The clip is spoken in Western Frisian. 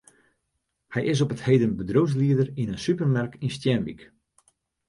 Hy is op 't heden bedriuwslieder yn in supermerk yn Stienwyk.